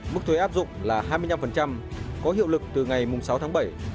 mức thuế áp dụng là hai mươi năm có hiệu lực từ ngày sáu tháng bảy